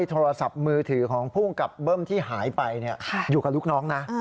โทรศัพท์มือถือของภูมิกับเบิ้มที่หายไปอยู่กับลูกน้องนะ